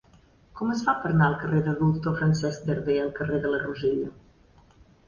Com es fa per anar del carrer del Doctor Francesc Darder al carrer de la Rosella?